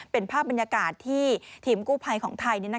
เป็นภาพบรรยากาศที่ทีมกู้ภัยของไทย